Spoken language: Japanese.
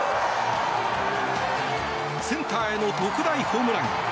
センターへの特大ホームラン。